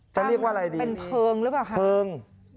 จะเรียกว่าไรดีเป็นเผิ่งหรือเปล่าค่ะเผิ่ง